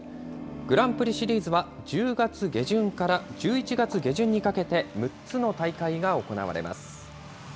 グランプリシリーズは、１０月下旬から１１月下旬にかけて６つの大会が行われます。